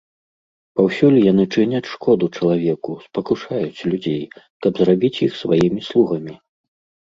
Паўсюль яны чыняць шкоду чалавеку, спакушаюць людзей, каб зрабіць іх сваімі слугамі.